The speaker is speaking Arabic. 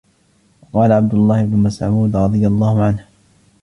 وَقَالَ عَبْدُ اللَّهِ بْنُ مَسْعُودٍ رَضِيَ اللَّهُ عَنْهُ